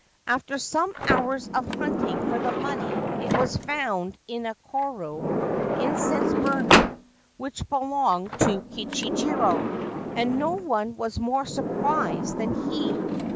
After some hours of hunting for the money it was found in a koro (incense burner) which belonged to Kichijiro, and no one was more surprised than he.